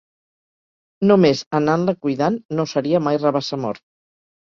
No més anant-la cuidant, no seria mai rabassa mort